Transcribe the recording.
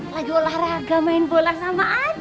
lagi olahraga main bola sama aja